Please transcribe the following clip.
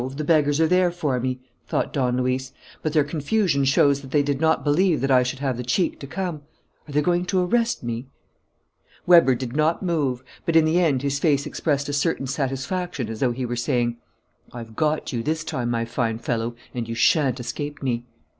the beggars are there for me!" thought Don Luis. "But their confusion shows that they did not believe that I should have the cheek to come. Are they going to arrest me?" Weber did not move, but in the end his face expressed a certain satisfaction as though he were saying: "I've got you this time, my fine fellow, and you shan't escape me."